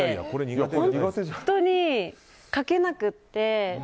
本当に描けなくって。